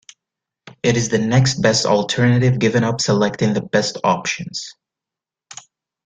It is the "next best" alternative given up selecting the best option.